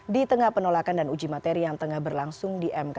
di tengah penolakan dan uji materi yang tengah berlangsung di mk